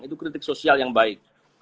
itu kritik sosial yang baik